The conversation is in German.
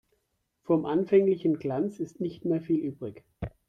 Vom anfänglichen Glanz ist nicht mehr viel übrig.